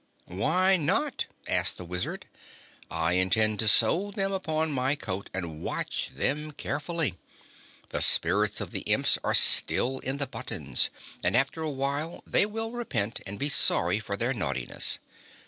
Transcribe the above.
"Why not?" asked the Wizard. "I intend to sew them upon my coat and watch them carefully. The spirits of the Imps are still in the buttons, and after a time they will repent and be sorry for their naughtiness.